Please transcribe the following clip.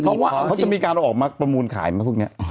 เขาจะมีการออกมาประมูลขายมาพรุ่งนี้